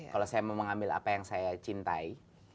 kalau saya mau mengambil apa yang saya cintai